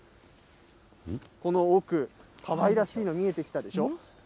この奥、かわいらしいの見えてきたでしょ？